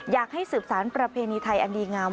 อยากให้สืบสารประเพณีไทยอันดีงาม